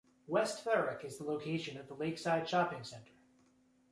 West Thurrock is the location of the Lakeside Shopping Centre.